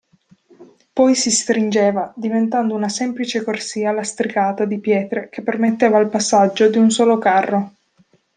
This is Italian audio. Poi si stringeva, diventando una semplice corsia lastricata di pietre che permetteva il passaggio di un solo carro.